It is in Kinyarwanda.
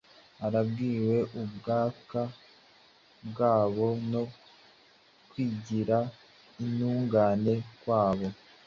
Arambiwe ubwaka bwabo no kwigira intungane kwabo,